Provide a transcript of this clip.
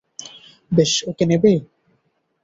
বেশ, ওকে নেবে?